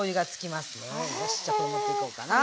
よしじゃあこれ持っていこうかな。